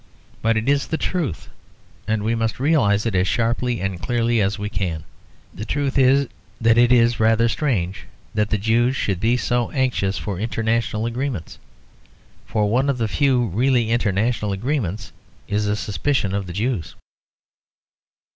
But it is the truth, and we must realise it as sharply and clearly as we can. The truth is that it is rather strange that the Jews should be so anxious for international agreements. For one of the few really international agreements is a suspicion of the Jews.